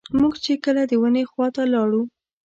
موږ چې کله د ونې خواته لاړو.